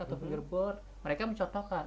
atau fingerboard mereka mencontohkan